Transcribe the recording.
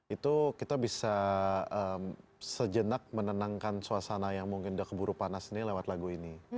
itu kita bisa sejenak menenangkan suasana yang mungkin udah keburu panas ini lewat lagu ini